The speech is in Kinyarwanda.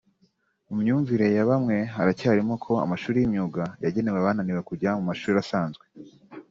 “mu myumvire ya bamwe haracyarimo ko amashuri y’imyuga yagenewe abananiwe kujya mu mashuri asanzwe